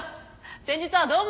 先日はどうも！